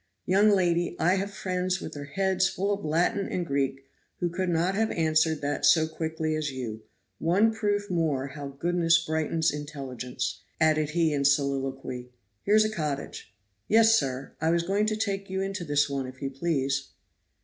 "Young lady, I have friends with their heads full of Latin and Greek who could not have answered that so quickly as you; one proof more how goodness brightens intelligence," added he in soliloquy. "Here's a cottage." "Yes, sir, I was going to take you into this one, if you please."